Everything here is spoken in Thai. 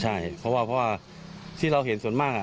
ใช่เพราะว่าที่เราเห็นส่วนมาก